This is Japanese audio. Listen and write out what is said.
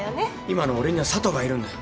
今の俺には佐都がいるんだ。